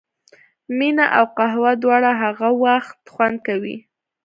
مینه او قهوه دواړه هغه وخت خوند کوي.